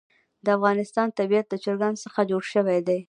د افغانستان طبیعت له چرګانو څخه جوړ شوی دی.